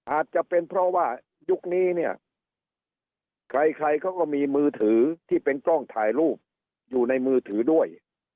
อาจจะเป็นเพราะว่ายุคนี้เนี่ยใครใครเขาก็มีมือถือที่เป็นกล้องถ่ายรูปอยู่ในมือถือด้วย